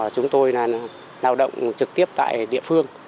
chúng tôi là lao động trực tiếp tại địa phương